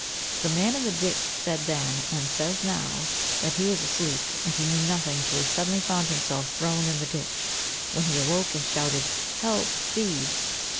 The man in the ditch said then, and says now, that he was asleep, and knew nothing till he suddenly found himself thrown in the ditch, when he awoke and shouted, "Help, thieves!"